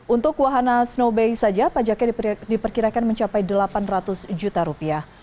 untuk wahana snow bay saja pajaknya diperkirakan mencapai delapan ratus juta rupiah